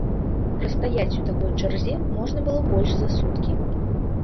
Прастаяць у такой чарзе можна было больш за суткі.